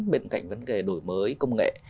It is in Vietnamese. bên cạnh vấn đề đổi mới công nghệ